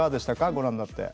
ご覧になって。